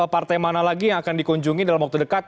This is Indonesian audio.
partai mana lagi yang akan dikunjungi dalam waktu dekat